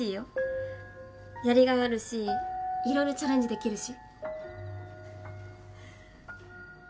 やりがいあるし色々チャレンジできるし。